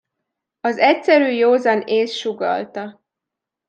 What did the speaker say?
Az egyszerű józan ész sugallta.